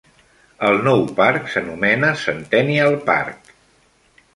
El nou parc s'anomena Centennial Park.